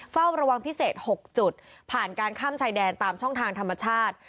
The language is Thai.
เฝ้าระวังพิเศษ๖จุดผ่านการข้ามชายแดนตามช่องทางธรรมชาติ